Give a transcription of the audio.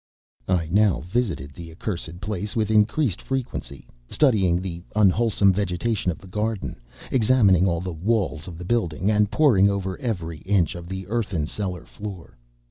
I now visited the accursed place with increased frequency; studying the unwholesome vegetation of the garden, examining all the walls of the building, and poring over every inch of the earthen cellar floor.